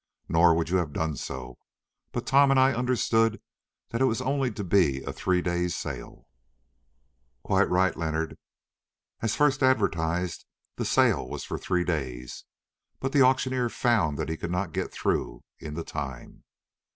"Nor would you have done so, but Tom and I understood that it was only to be a three days' sale." "Quite right, Leonard. As first advertised the sale was for three days, but the auctioneer found that he could not get through in the time.